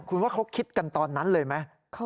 คุณว่าเขาคิดกันตอนนั้นเลยไหม